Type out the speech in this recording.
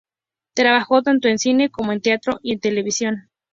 Trabajó tanto en cine, como en teatro y en televisión.